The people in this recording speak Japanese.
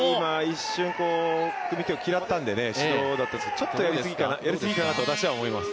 一瞬、組み手を嫌ったので指導だったんですがちょっとやりすぎかなと私は思います。